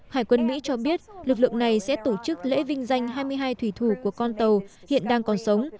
hải quân mỹ cho biết lực lượng này sẽ tổ chức lễ vinh danh hai mươi hai thủy thủ của con tàu hiện đang còn sống